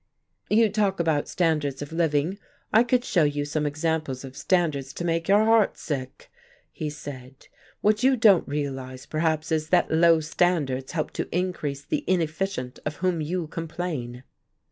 "You talk about standards of living, I could show you some examples of standards to make your heart sick," he said. "What you don't realize, perhaps, is that low standards help to increase the inefficient of whom you complain."